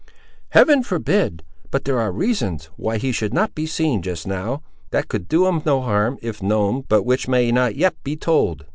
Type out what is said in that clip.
"Heaven forbid! But there are reasons, why he should not be seen, just now, that could do him no harm if known; but which may not yet be told.